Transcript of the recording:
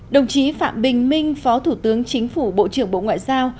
đồng chí phạm bình minh phó thủ tướng chính phủ bộ trưởng bộ ngoại giao